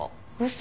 嘘！？